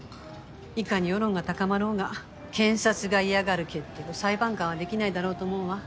いかに世論が高まろうが検察が嫌がる決定を裁判官はできないだろうと思うわ。